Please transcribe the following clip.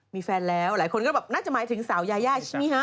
มีแฟนแล้วหลายคนก็แบบน่าจะหมายถึงสาวยายาใช่ไหมฮะ